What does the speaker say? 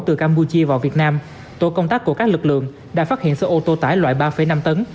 từ campuchia vào việt nam tổ công tác của các lực lượng đã phát hiện xe ô tô tải loại ba năm tấn